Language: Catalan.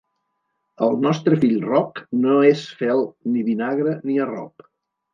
El nostre fill Roc no és fel, ni vinagre, ni arrop.